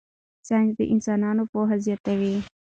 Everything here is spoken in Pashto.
ساینس د انسانانو پوهه زیاتوي.